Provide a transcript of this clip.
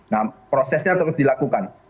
nah prosesnya terus dilakukan